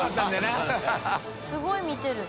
すごい見てる。